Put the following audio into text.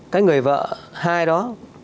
cái người vợ hai đó